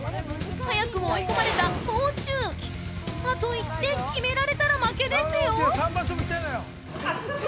早くも追い込まれた、もう中あと一点決められたら負けですよ。